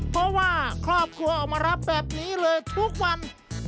เพราะว่าครอบครัวออกมารับแบบนี้เลยทุกวัน